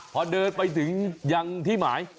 พอเดินไปถึงยังที่หมาย